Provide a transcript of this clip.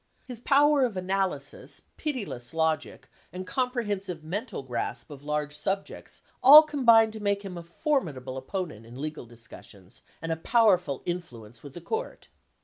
His power of analysis, pitiless logic, and comprehensive mental grasp of large sub jects all combined to make him a formidable opponent in legal discussions and a powerful influence with the court.